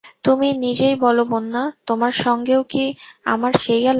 তুমি নিজেই বলো বন্যা, তোমার সঙ্গেও কি আমার সেই আলাপ।